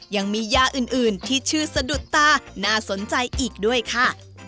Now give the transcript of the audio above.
ยังมียาอื่นที่ชื่อสะดุดตาน่าสนใจอีกด้วยค่ะ